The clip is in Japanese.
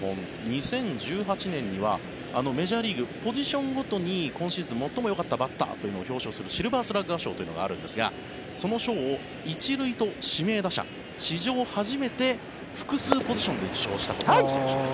２０１８年にはメジャーリーグポジションごとに今シーズン最もよかったバッターを表彰するシルバースラッガー賞というのがあるんですがその賞を１塁と指名打者、史上初めて複数ポジションで受賞した選手です。